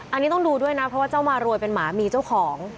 อันนี้ต้องดูด้วยนะเพราะว่าเจ้ามารวยเป็นหมามีเจ้าของ